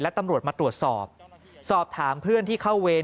ตำรวจมาตรวจสอบสอบถามเพื่อนที่เข้าเวร